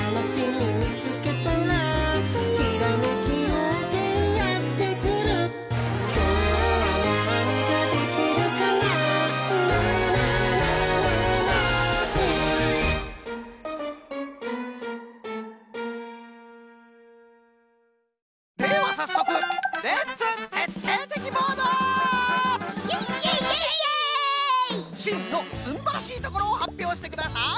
しんのすんばらしいところをはっぴょうしてください！